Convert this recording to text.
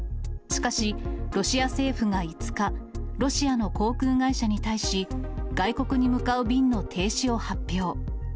しかし、ロシア政府が５日、ロシアの航空会社に対し、外国に向かう便の停止を発表。